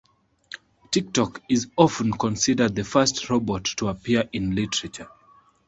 Tik-Tok is often considered the first robot to appear in literature.